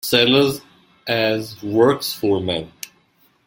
Sellars as Works Foreman.